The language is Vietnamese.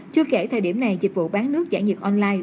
chưa kể thời điểm này dịch vụ bán nước giải nhiệt online